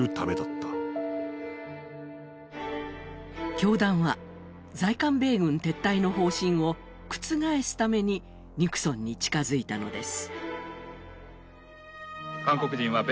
教団は在韓米軍撤退の方針を覆すためにニクソンに近づいたのです。